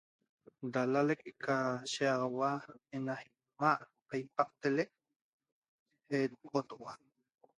Da lalaeq ca shiaxaua ena imaa Ipaqtaxaleq teque jet potohua